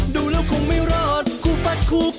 ดูแล้วคงไม่รอดเพราะเราคู่กัน